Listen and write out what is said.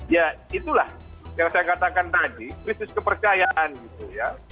ya itulah yang saya katakan tadi krisis kepercayaan gitu ya